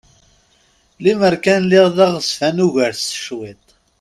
Lemmer kan lliɣ d aɣezfan ugar s cwiṭ!